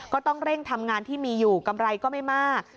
ก็ต้องเร่งทำงานที่มีอยู่กำไรก็ไม่มาก